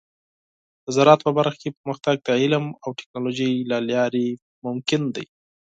د زراعت په برخه کې پرمختګ د علم او ټیکنالوجۍ له لارې ممکن دی.